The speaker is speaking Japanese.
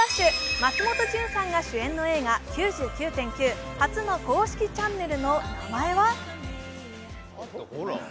松本純さんが主演の映画「９９．９」初の公式チャンネルの名前は？